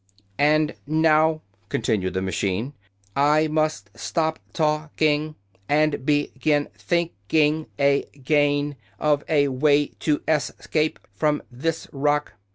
"And now," continued the machine, "I must stop talk ing and be gin think ing a gain of a way to es cape from this rock."